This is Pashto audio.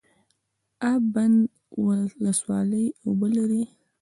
اب بند ولسوالۍ اوبه لري؟